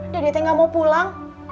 dedete gak mau pulang